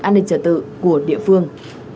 an ninh trật tự của địa phương